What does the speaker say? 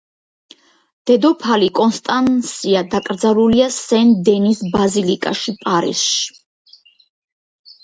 დედოფალი კონსტანსია დაკრძალულია სენ დენის ბაზილიკაში, პარიზში.